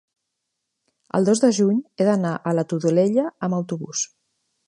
El dos de juny he d'anar a la Todolella amb autobús.